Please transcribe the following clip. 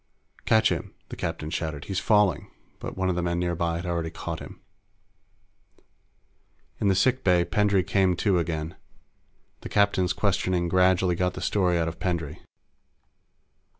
"Catch him!" the captain shouted. "He's falling!" But one of the men nearby had already caught him. In the sick bay, Pendray came to again. The captain's questioning gradually got the story out of Pendray.